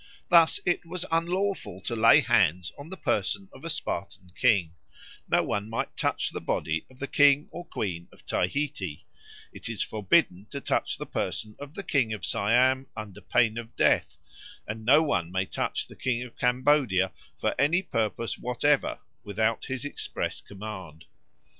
Thus it was unlawful to lay hands on the person of a Spartan king: no one might touch the body of the king or queen of Tahiti: it is forbidden to touch the person of the king of Siam under pain of death; and no one may touch the king of Cambodia, for any purpose whatever, without his express command.